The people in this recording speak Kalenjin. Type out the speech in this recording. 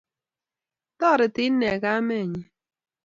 Toreti inne kamenyi